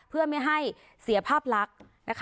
เพื่อไม่ให้เสียภาพลักษณ์นะคะ